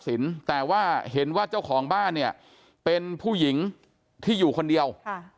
แต่ว่าเห็นว่าเจ้าของบ้านเนี่ยเป็นผู้หญิงที่อยู่คนเดียวค่ะ